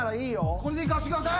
これでいかせてください！